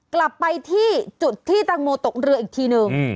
กลับไปที่จุดที่ตังโมตกเรืออีกทีนึง